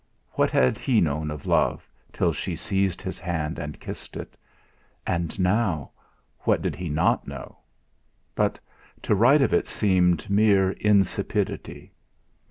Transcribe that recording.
What had he known of love, till she seized his hand and kissed it! And now what did he not know? But to write of it seemed mere insipidity!